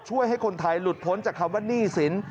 ให้คนไทยหลุดพ้นจากคำว่าหนี้สิน